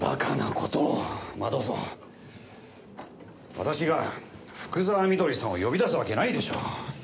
私が福沢美登里さんを呼び出すわけないでしょう。